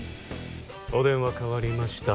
お電話代わりました